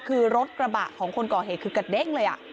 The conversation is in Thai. คือรถกระบะของคนก่อเหตุคือกระเด้งเลย